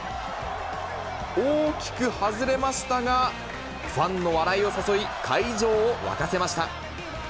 大きく外れましたが、ファンの笑いを誘い、会場を沸かせました。